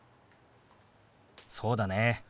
そうだね。